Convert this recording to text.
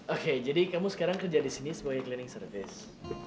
oke jadi kamu sekarang kerja di sini sebagai cleaning service